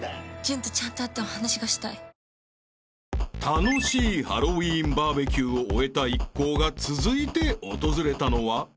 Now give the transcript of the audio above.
［楽しいハロウィンＢＢＱを終えた一行が続いて訪れたのは］